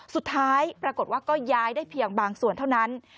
สุดท้ายปรากฏว่าก็ย้ายได้เพียงบางส่วนเท่านั้น